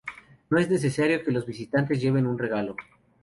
No es necesario que los visitantes lleven un regalo.